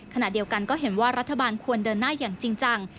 ขณะเดียวกันก็เห็นว่ารัฐบาลควรเดินหน้าอย่างจริงจัง